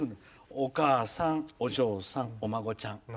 お母さん、お嬢さん、お孫さん。